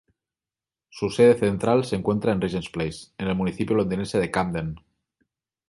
Su sede central se encuentra en Regent's Place, en el municipio londinense de Camden.